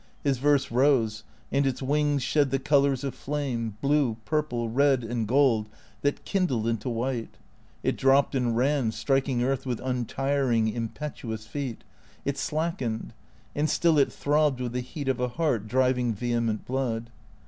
His verse rose, and its wings shed the colours of flame, blue, purple, red, and gold that kindled into white; it dropped and ran, striking earth with untiring, impetuous feet, it slackened : and still it throbbed with the heat of a heart driving vehement blood.